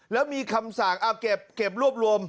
แล้วมีคำสั่งเอาเก็บรวบรวม